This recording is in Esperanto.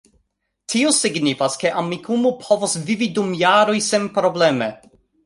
Tio signifas, ke Amikumu povos vivi dum jaroj senprobleme